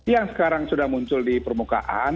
yang sekarang sudah muncul di permukaan